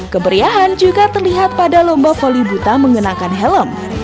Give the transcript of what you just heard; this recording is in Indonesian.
keberiahan juga terlihat pada lomba voli buta mengenakan helm